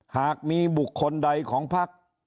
หากมีบุคคลใดของพัก